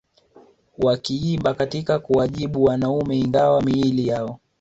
wakiimba katika kuwajibu wanaume Ingawa miili yao